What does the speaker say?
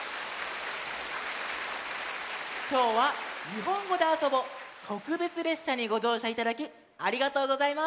きょうは「にほんごであそぼ」とくべつれっしゃにごじょうしゃいただきありがとうございます。